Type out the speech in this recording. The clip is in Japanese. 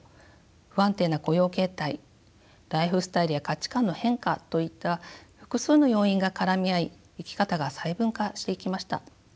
不安定な雇用形態ライフスタイルや価値観の変化といった複数の要因が絡み合い生き方が細分化していきました。